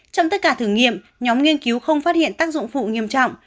trong tất cả thử nghiệm nhóm nghiên cứu không phát hiện tác dụng phụ nghiêm trọng